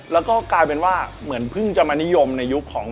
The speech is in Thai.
แล้วก็กลายเป็นว่าเหมือนเพิ่งจะมานิยมในยุคของ